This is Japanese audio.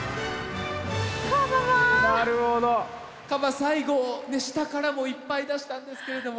最後下からもいっぱい出したんですけれども。